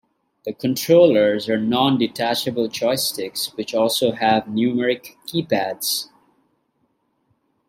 The controllers are non-detachable joysticks which also have numeric keypads.